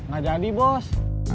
gak jadi bos